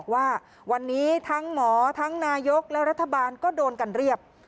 ว่าวันนี้ทั้งหมอทั้งนายกและรัฐบาลก็โดนกันเรียบ